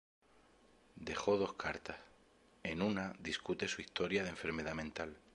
Dejó dos cartas, en una discute su historia de enfermedad mental.